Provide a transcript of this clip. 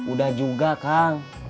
udah juga kang